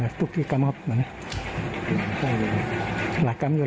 แล้วก็มีความรู้สึกจะได้เป็นไหมจริงอยู่